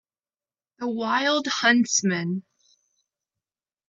The wild huntsman